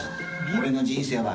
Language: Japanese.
「俺の人生は」